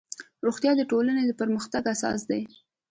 روغتیا د ټولنې د پرمختګ اساس دی